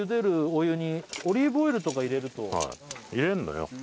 お湯にオリーブオイルとか入れるとはい入れんのよ